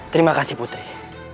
terima kasih putri